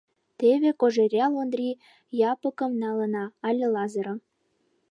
Теве Кожеръял Ондри Япыкым налына але Лазырым.